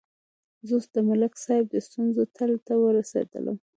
زه اوس د ملک صاحب د ستونزې تل ته ورسېدلم.